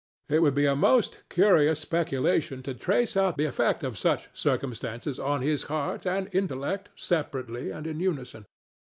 It would be a most curious speculation to trace out the effect of such circumstances on his heart and intellect separately and in unison.